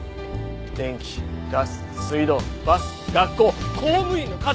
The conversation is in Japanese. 電気ガス水道バス学校公務員の数。